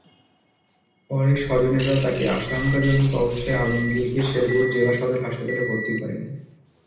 পরে স্বজনেরা তাঁকে আশঙ্কাজনক অবস্থায় আলমগীরকে শেরপুর জেলা সদর হাসপাতালে ভর্তি করেন।